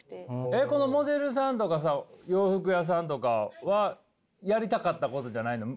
えっこのモデルさんとかさ洋服屋さんとかはやりたかったことじゃないの？